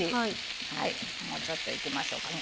はいもうちょっといきましょうかね。